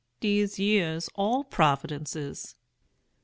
Dese yere's all providences!'